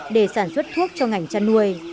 để sản xuất thuốc cho ngành chăn nuôi